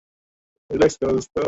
কমার্শিয়ালে করে যাচ্ছি!